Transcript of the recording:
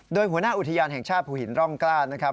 โดยหัวหน้าอุทยานแห่งชาติภูหินร่องกล้านะครับ